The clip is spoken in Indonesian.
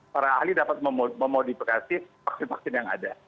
para ahli dapat memodifikasi vaksin vaksin yang ada